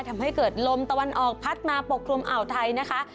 ทำให้เกิดลมตะวันออกพัดมาปกคลุมอ่าวไทยนะคะ